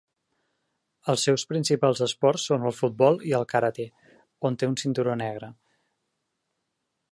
Els seus principals esports són el futbol i el karate, on té un cinturó negre.